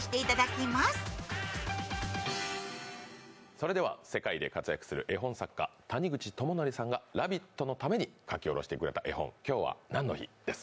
それでは世界で活躍する絵本作家、谷口智則さんが「ラヴィット！」のために描き下ろしてくれた絵本「きょうはなんの日？」です。